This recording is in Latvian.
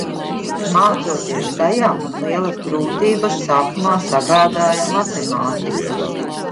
Mācoties tajā, man lielas grūtības sākumā sagādāja matemātika.